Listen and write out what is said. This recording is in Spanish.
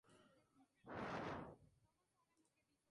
Los datos que ofrece el "Liber Pontificalis" son de dudosa historicidad.